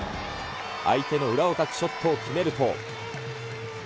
相手の裏をかくショットを決めると。